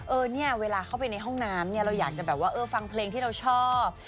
เออเนี่ยเวลาเข้าไปในห้องน้ำเนี่ยเราอยากจะแบบว่าเออฟังเพลงที่เราชอบ